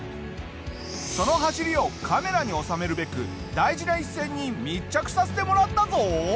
その走りをカメラに収めるべく大事な一戦に密着させてもらったぞ！